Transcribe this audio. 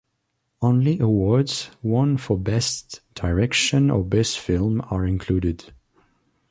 Only awards won for best direction or best film are included.